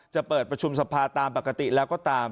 จะเปิดประชุมสภาตามปกติแล้วก็ตาม